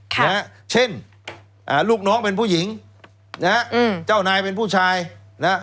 ค่ะนะฮะเช่นอ่าลูกน้องเป็นผู้หญิงนะฮะอืมเจ้านายเป็นผู้ชายนะฮะ